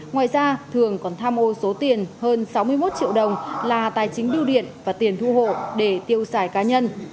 ngoài ra thường còn tham ô số tiền hơn sáu mươi một triệu đồng là tài chính bưu điện và tiền thu hộ để tiêu xài cá nhân